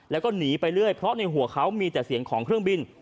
แล้วก็หนีไปเรื่อยเพราะในหัวเขามีแต่เสียงของเครื่องบิน